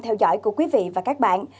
theo dõi của quý vị và các bạn